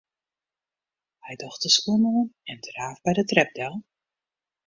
Hy docht de skuon oan en draaft by de trep del.